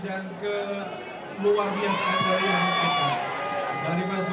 yang ke luar biasa ada yang kita